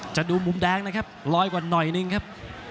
จะดูมุมแดงนะครับลอยกว่าหน่อยนึงครับ